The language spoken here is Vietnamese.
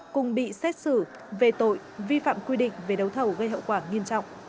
cùng bị xét xử về tội vi phạm quy định về đấu thầu gây hậu quả nghiêm trọng